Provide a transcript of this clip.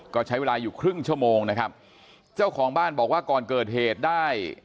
ก็ใช้เวลาอยู่ครึ่งชั่วโมงนะครับเจ้าของบ้านบอกว่าก่อนเกิดเหตุได้